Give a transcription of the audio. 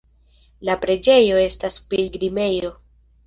La preĝejo estas pilgrimejo.